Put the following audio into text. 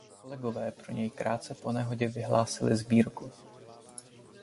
Kolegové pro něj krátce po nehodě vyhlásili sbírku.